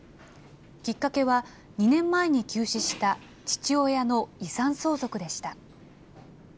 きっかけは、２年前に急死した父親の遺産相続でした。